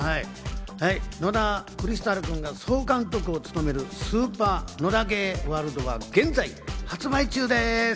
野田クリスタル君が総監督を務める『スーパー野田ゲーＷＯＲＬＤ』は現在発売中です。